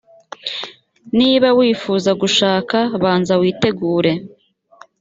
niba wifuza gushaka banza witegure